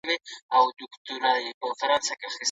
خو همدا بېپایلې توب د ژوند حقیقت دی.